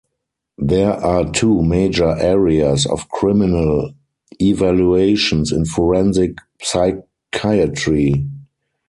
There are two major areas of criminal evaluations in forensic psychiatry.